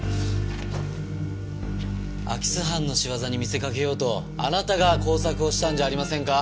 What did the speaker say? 空き巣犯の仕業に見せかけようとあなたが工作をしたんじゃありませんか？